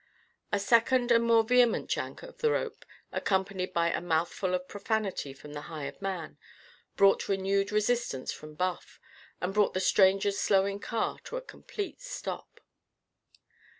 A second and more vehement yank of the rope, accompanied by a mouthful of profanity from the hired man, brought renewed resistance from Buff, and brought the stranger's slowing car to a complete stop.